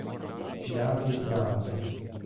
Jihad Islamica